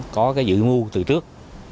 có cái dự mưu từ trước